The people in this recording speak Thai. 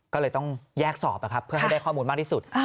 ก็เลยต้องแยกสอบเพื่อให้ได้ข้อมูลมากที่สุด